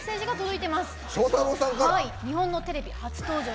はい日本のテレビ初登場です。